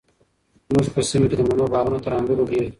زموږ په سیمه کې د مڼو باغونه تر انګورو ډیر دي.